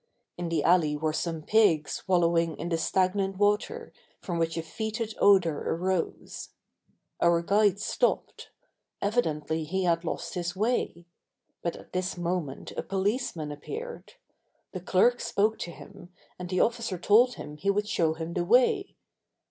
In the alley were some pigs wallowing in the stagnant water from which a fetid odor arose. Our guide stopped. Evidently he had lost his way. But at this moment a policeman appeared. The clerk spoke to him and the officer told him he would show him the way....